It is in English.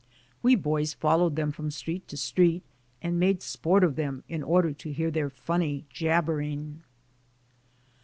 We boys followed them from street to street, and made sport of them in order to hear their funny jabbering.